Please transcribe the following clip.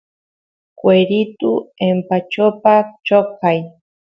cueritu empachopa choqay